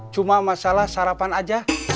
cuma masalah sarapan aja